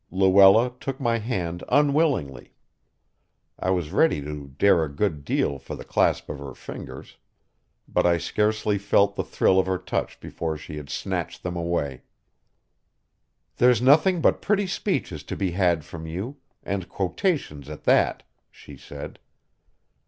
Luella took my hand unwillingly. I was ready to dare a good deal for the clasp of her fingers, but I scarcely felt the thrill of their touch before she had snatched them away. "There's nothing but pretty speeches to be had from you and quotations at that," she said.